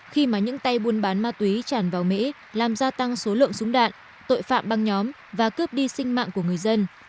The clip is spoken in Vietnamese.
khi mà những tay buôn bán ma túy tràn vào mỹ làm gia tăng số lượng súng đạn tội phạm băng nhóm và cướp đi sinh mạng của người dân